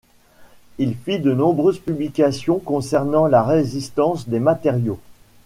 Il fit de nombreuses publications concernant la résistance des matériaux.